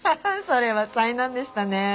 それは災難でしたね。